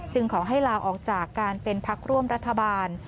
ขอให้ลาออกจากการเป็นพักร่วมรัฐบาล